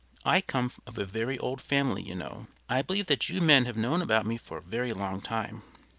I come of a very old family, you know; I believe that you men have known about me for a very long time.